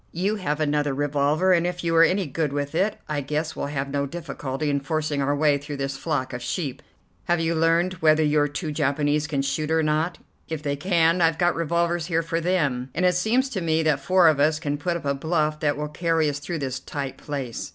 You have another revolver, and if you are any good with it I guess we'll have no difficulty in forcing our way through this flock of sheep. Have you learned whether your two Japanese can shoot or not? If they can, I've got revolvers here for them, and it seems to me that four of us can put up a bluff that will carry us through this tight place.